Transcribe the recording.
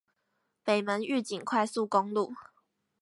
北門玉井快速公路